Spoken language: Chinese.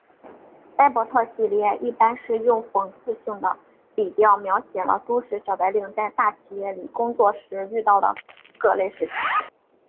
呆伯特系列一般是用讽刺性的笔调描写了都市小白领在大企业里工作时遇到的各类事情。